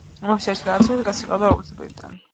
მეფეს ერთი ავსიტყვა კაცი ჰყავდა რომლის პირიდან